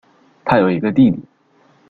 她有一个弟弟。